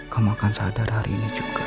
kamu akan sadar hari ini juga